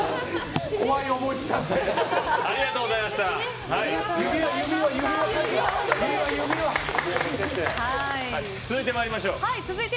怖い思いしたって。